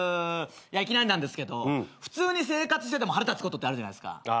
いきなりなんですけど普通に生活してても腹立つことってあるじゃないですか。